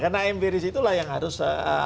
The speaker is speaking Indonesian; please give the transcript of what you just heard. karena empiris itulah yang harus